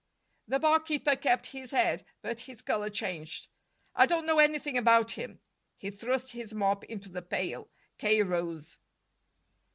The barkeeper kept his head, but his color changed. "I don't know anything about him." He thrust his mop into the pail. K. rose.